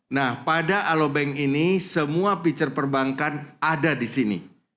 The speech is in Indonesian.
nah pada alo bank ini semua picture perbankan ada di sini